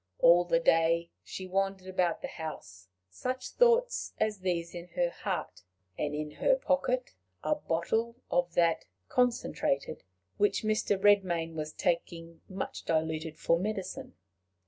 All the day she wandered about the house, such thoughts as these in her heart, and in her pocket a bottle of that concentrated which Mr. Redmain was taking much diluted for medicine.